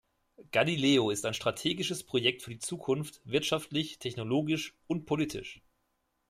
Galileo ist ein strategisches Projekt für die Zukunft, wirtschaftlich, technologisch und politisch.